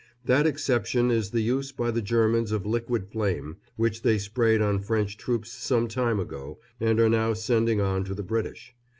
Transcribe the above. That exception is the use by the Germans of liquid flame, which they sprayed on French troops some time ago and are now sending on to the British.